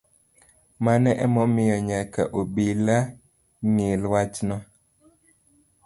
Mano emomiyo nyaka obila ng’I wachno